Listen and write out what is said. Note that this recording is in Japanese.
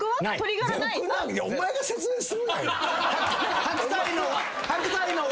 お前が説明すんなよ！